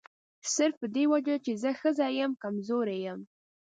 صرف په دې وجه چې زه ښځه یم کمزوري یم.